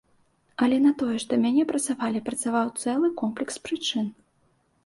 Але на тое, што мяне прасавалі, працаваў цэлы комплекс прычын.